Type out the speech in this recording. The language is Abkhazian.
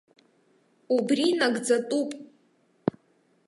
Убри нагӡатәуп.